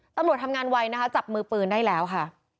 ตำรวจทำงานไวนะคะจับมือปืนได้แล้วค่ะ